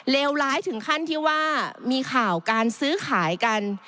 เลวร้ายถึงขั้นที่ว่ามีข่าวการซื้อขายกัน